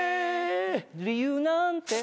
「理由なんて」